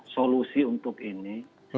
solusi untuk ini